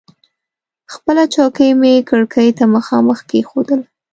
خپله چوکۍ مې کړکۍ ته مخامخ کېښودله.